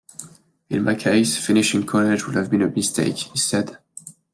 "In my case, finishing college would have been a mistake," he said.